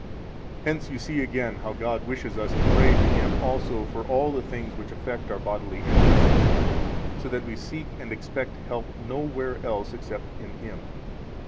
117 Hence you see again how God wishes us to pray to Him also for all the things which affect our bodily interests, so that we seek and expect help nowhere else except in Him.